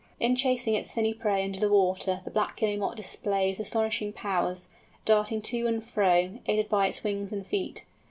In chasing its finny prey under the water the Black Guillemot displays astonishing powers, darting to and fro, aided by its wings and feet.